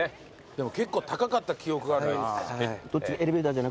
でも結構高かった記憶があるな。